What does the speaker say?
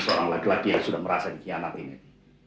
seorang laki laki yang sudah merasa dikhianat nettie